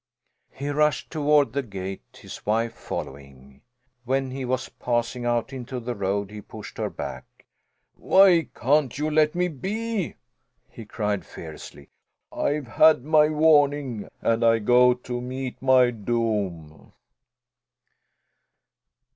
He rushed toward the gate, his wife following. When he was passing out into the road, he pushed her back. "Why can't you let me be!" he cried fiercely. "I've had my warning, and I go to meet my doom!"